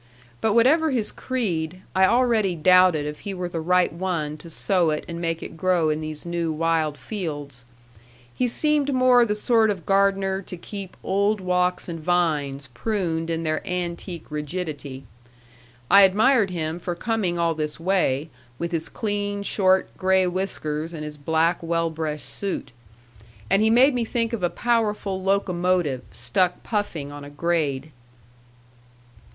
But whatever his creed, I already doubted if he were the right one to sow it and make it grow in these new, wild fields. He seemed more the sort of gardener to keep old walks and vines pruned in their antique rigidity. I admired him for coming all this way with his clean, short, gray whiskers and his black, well brushed suit. And he made me think of a powerful locomotive stuck puffing on a grade.